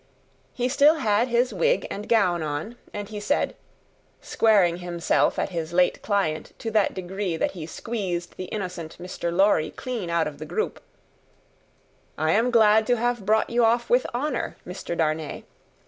He still had his wig and gown on, and he said, squaring himself at his late client to that degree that he squeezed the innocent Mr. Lorry clean out of the group: "I am glad to have brought you off with honour, Mr. Darnay.